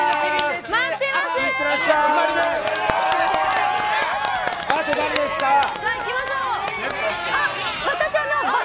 待ってます！